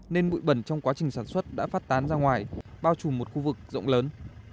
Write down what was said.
nên bụi bẩn trong quá trình sản xuất đã phát tán ra ngoài bao trùm một khu vực rộng lớn